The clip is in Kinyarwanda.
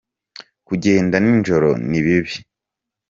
kujyenda ninjoro nibibi